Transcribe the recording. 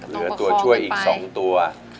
เหลือตัวช่วยอีก๒ตัว